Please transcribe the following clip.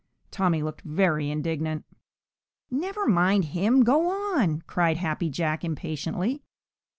Tommy looked very indignant. "Never mind him, go on!" cried Happy Jack impatiently.